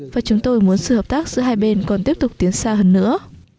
và chúng tôi muốn sự hợp tác giữa hai bên còn tiếp tục tiến xa hơn nữa